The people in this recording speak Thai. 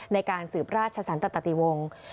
ในการสืบราชสรรค์ตะตะตีวง